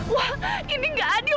wak ini nggak adil